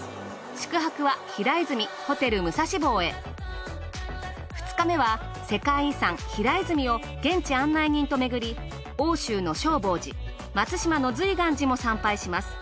宿泊は平泉ホテル武蔵坊へ２日目は世界遺産平泉を現地案内人と巡り奥州の正法寺松島の瑞巌寺も参拝します。